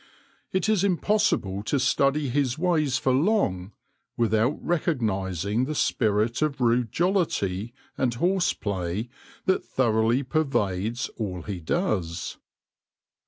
It is impossible to study his ways for long without recognising the spirit of rude jollity and horse play that thoroughly pervades all he does.